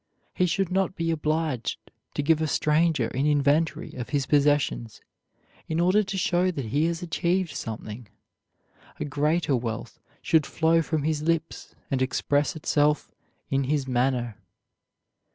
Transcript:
He should not be obliged to give a stranger an inventory of his possessions in order to show that he has achieved something. A greater wealth should flow from his lips, and express itself in his manner.